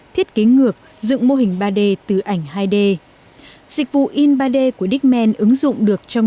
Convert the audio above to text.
thiết kế ngược dựng mô hình ba d từ ảnh hai d dịch vụ in ba d của diemen ứng dụng được trong